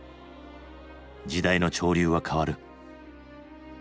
時代の潮流は変わる。